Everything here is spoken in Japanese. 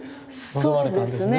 臨まれたんですね